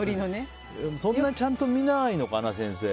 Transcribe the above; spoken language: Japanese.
そんなちゃんと見ないのかな先生。